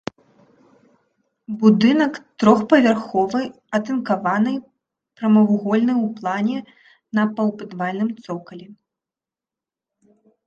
Будынак трохпавярховы, атынкаваны, прамавугольны ў плане, на паўпадвальным цокалі.